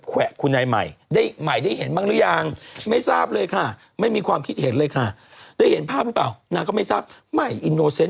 แต่ความทรมานมันแบบให้แกะเจ้าไอ้ไหมเนี่ยเหมือนกันว่าฮึย